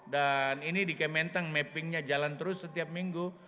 dan ini di kementang mappingnya jalan terus setiap minggu